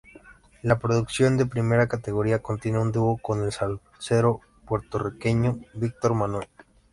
La producción de primera categoría contiene un dúo con el salsero puertorriqueño Víctor Manuelle.